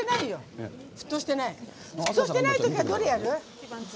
沸騰してない時はどれやる？